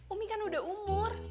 umi kan udah umur